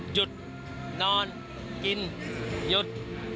หยุดนอนกินหยุด